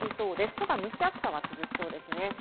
ただ蒸し暑さは続きそうですね。